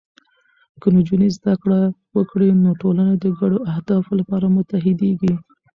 که نجونې زده کړه وکړي، نو ټولنه د ګډو اهدافو لپاره متحدېږي.